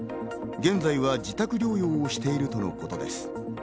現在は自宅療養をしているとのことです。